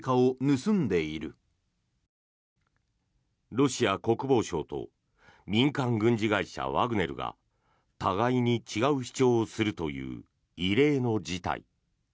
ロシア国防省と民間軍事会社ワグネルが互いに違う主張をするという異例の事態。